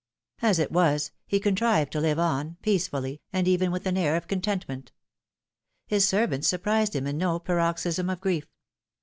As it was. he contrived to live on, peacefully, and even with an air of contentment. His servants surprised him in no paroxysm of grief.